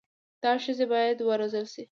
دا ښځي بايد و روزل سي